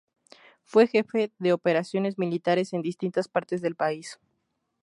Fue jefe de operaciones militares en distintas partes del país.